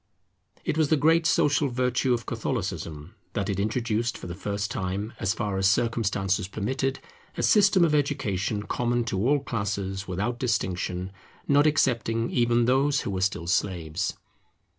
It was the great social virtue of Catholicism, that it introduced for the first time, as far as circumstances permitted, a system of education common to all classes without distinction, not excepting even those who were still slaves.